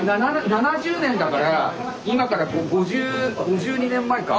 ７０年だから今から５２年前か。